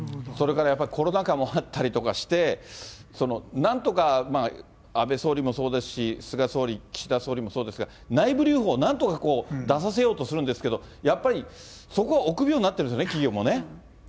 それからやっぱりコロナ禍もあったりとかして、なんとか安倍総理もそうですし、菅総理、岸田総理もそうですが、内部留保、なんとか出させようとするんですけど、やっぱりそこは臆病になってるんでしょうね、企業もね。